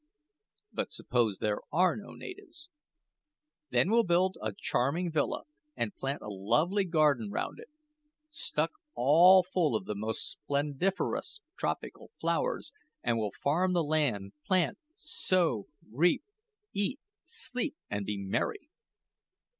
"But suppose there are no natives?" "Then we'll build a charming villa, and plant a lovely garden round it, stuck all full of the most splendiferous tropical flowers; and we'll farm the land, plant, sow, reap, eat, sleep, and be merry."